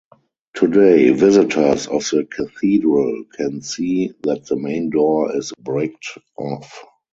Today, visitors of the cathedral can see that the main door is bricked off.